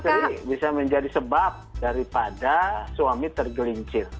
bahkan istri bisa menjadi sebab daripada suami tergelincir